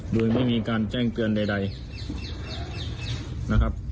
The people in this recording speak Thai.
โดยไม่มีการแจ้งเตือนใดนะครับ